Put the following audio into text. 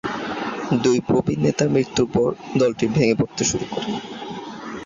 দুই প্রবীণ নেতার মৃত্যুর পর দলটি ভেঙে পড়তে শুরু করে।